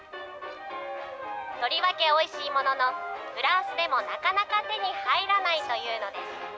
とりわけおいしいものの、フランスでもなかなか手に入らないというのです。